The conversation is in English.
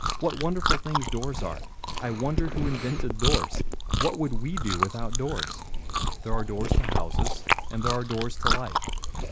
What wonderful things doors are! I wonder who invented doors. What would we do without doors? There are doors to houses and there are doors to life.